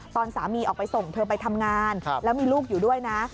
ตอนสามีออกไปส่งเธอไปทำงานแล้วมีลูกอยู่ด้วยนะ